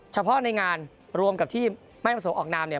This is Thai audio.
เฉพาะในงานรวมกับที่ไม่ประสงค์ออกนามเนี่ย